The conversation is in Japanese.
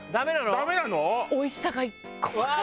ダメなの？